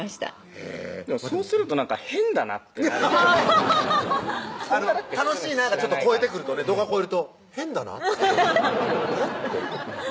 へぇそうするとなんか変だなってなるじゃないですか楽しいながちょっと超えてくるとね度が超えると変だなってあれ？って